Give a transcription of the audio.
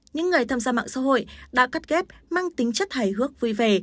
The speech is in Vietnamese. những người tham gia mạng xã hội đã cắt ghép mang tính chất hài hước vui về